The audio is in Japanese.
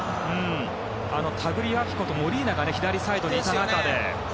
タグリアフィコとモリーナが左サイドにいた中で。